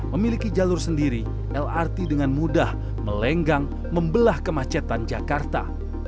memiliki jalur sendiri lrt dengan mudah melenggang membelah kemacetan jakarta